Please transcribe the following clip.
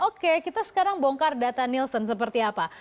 oke kita sekarang bongkar data nielsen seperti apa